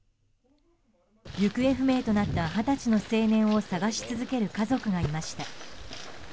行方不明となった二十歳の青年を捜し続ける家族がいました。